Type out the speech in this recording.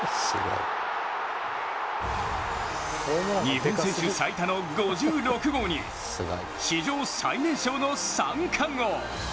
日本選手最多の５６号に史上最年少の三冠王。